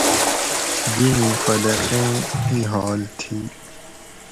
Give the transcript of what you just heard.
دی مُوں خلقیں اِیں حال تھی